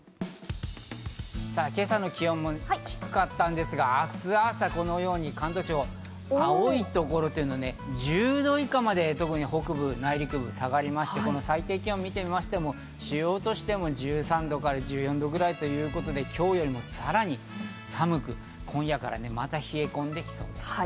今朝の気温、低かったんですが、明日朝、このように関東地方、青いところ、１０度以下まで、特に北部、内陸部は下がりまして、最低気温を見ましても、１３度から１４度ぐらい、今日よりさらに寒く、今夜からまた冷え込んで来そうです。